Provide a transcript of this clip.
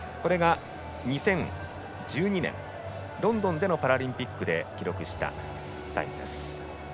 ２０１２年ロンドンでのパラリンピックで記録したタイムです。